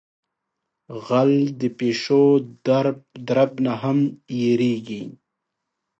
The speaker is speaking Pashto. غل د پیشو درب نہ ھم یریگی.